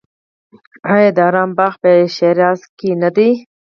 آیا د ارم باغ په شیراز کې نه دی؟